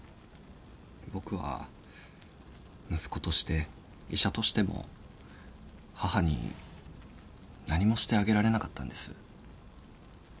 僕は息子として医者としても母に何もしてあげられなかったんです。